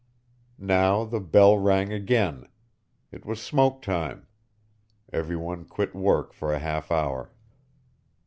Now the bell rang again. It was "smoke time." Everyone quit work for a half hour.